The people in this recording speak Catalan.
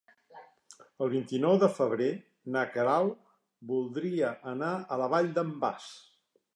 El vint-i-nou de febrer na Queralt voldria anar a la Vall d'en Bas.